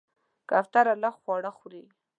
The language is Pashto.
کوتره لږ خواړه خوري.